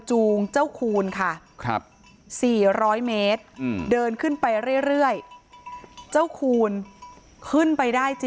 จูงเจ้าคูณค่ะ๔๐๐เมตรเดินขึ้นไปเรื่อยเจ้าคูณขึ้นไปได้จริง